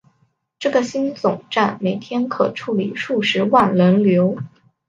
这个新总站每日可处理数十万人流。